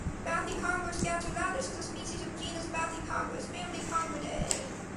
Bathycongrus gattulatus is a species of genus Bathycongrus, family Congridae.